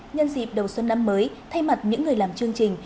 nhân dịp đầu xuân năm mới thay mặt những người làm chương trình